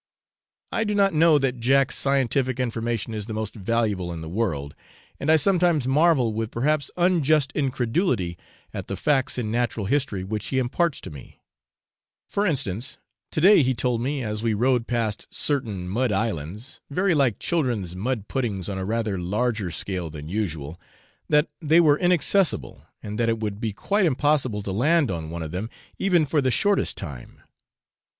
I do not know that Jack's scientific information is the most valuable in the world, and I sometimes marvel with perhaps unjust incredulity at the facts in natural history which he imparts to me; for instance, to day he told me as we rowed past certain mud islands, very like children's mud puddings on a rather larger scale than usual, that they were inaccessible, and that it would be quite impossible to land on one of them even for the shortest time.